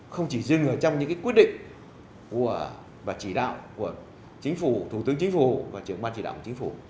không chỉ dừng ở trong những quyết định và chỉ đạo của chính phủ thủ tướng chính phủ và trưởng ban chỉ đạo của chính phủ